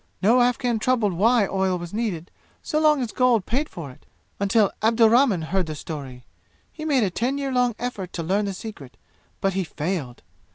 No Afghan troubled why oil was needed, so long as gold paid for it, until Abdurrahman heard the story. He made a ten year long effort to learn the secret, but he failed.